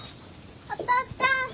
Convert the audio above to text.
お父っつぁん！